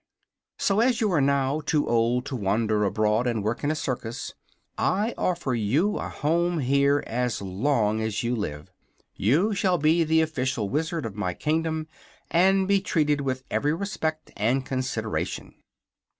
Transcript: So, as you are now too old to wander abroad and work in a circus, I offer you a home here as long as you live. You shall be the Official Wizard of my kingdom, and be treated with every respect and consideration."